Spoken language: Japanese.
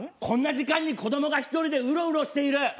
こんな時間に子どもが１人でウロウロしている！